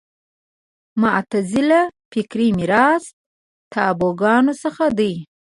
معتزله فکري میراث تابوګانو څخه دی